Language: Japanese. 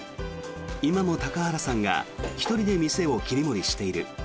今も高原さんが１人で店を切り盛りしている。